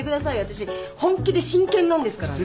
私本気で真剣なんですからね。